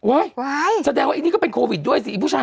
แสดงว่าไอ้นี่ก็เป็นโควิดด้วยสิอีผู้ชาย